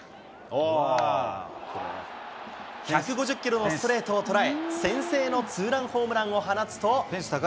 １５０キロのストレートを捉え、先制のツーランホームランを放つと。